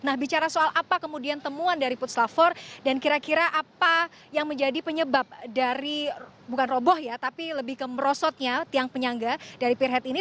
nah bicara soal apa kemudian temuan dari putslap empat dan kira kira apa yang menjadi penyebab dari bukan roboh ya tapi lebih ke merosotnya tiang penyangga dari peer head ini